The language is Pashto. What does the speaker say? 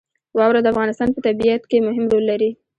واوره د افغانستان په طبیعت کې مهم رول لري.